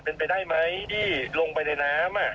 เป็นไปได้ไหมที่ลงไปในน้ำ